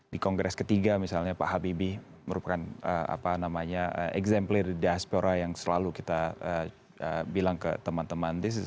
di kongres ketiga misalnya pak habibie merupakan apa namanya examplite diaspora yang selalu kita bilang ke teman teman